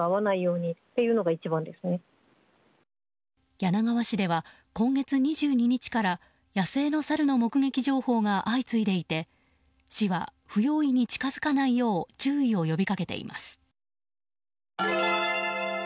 柳川市では今月２２日から野生のサルの目撃情報が相次いでいて市は不用意に近づかないよう注意を呼び掛けています。